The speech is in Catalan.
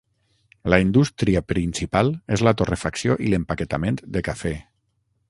La indústria principal és la torrefacció i l'empaquetament de cafè.